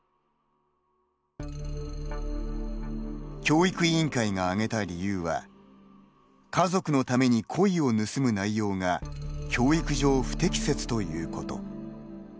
教育委員会があげた理由は家族のために鯉を盗む内容が教育上不適切ということ。